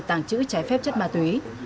tàng trữ trái phép chất ma túy